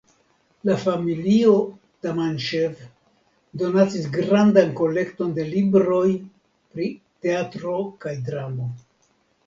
La familio Tamanŝev donacis grandan kolekton de libroj pri teatro kaj dramo.